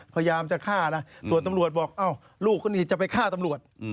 พยายามจะฆ่านะส่วนตำรวจบอกเอ้าลูกก็นี่จะไปฆ่าตำรวจ